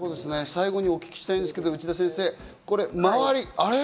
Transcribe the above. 最後にお聞きしたいんですが内田先生、あれ？